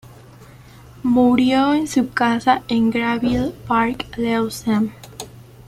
Murió en su casa en Granville Park, Lewisham.